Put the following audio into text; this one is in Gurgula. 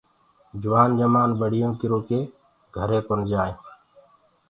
جوآن جمآن ٻڙيونٚ ڪِرو ڪي گھري ڪونآ جآئينٚ۔